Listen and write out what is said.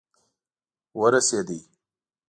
ورسېد.